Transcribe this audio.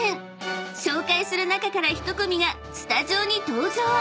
［紹介する中から１組がスタジオに登場］